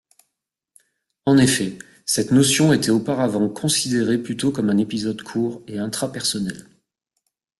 En effet, cette notion était auparavant considérée plutôt comme un épisode court et intrapersonnel.